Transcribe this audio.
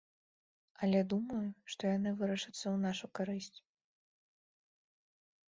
Але думаю, што яны вырашацца ў нашу карысць.